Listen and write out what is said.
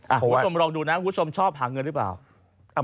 อ่ะวุฒมลองดูนะวุฒมชอบหาเงินหรือเปล่า